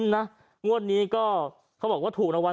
นะงวดนี้ก็เขาบอกว่าถูกรางวัล